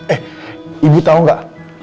eh ibu tahu gak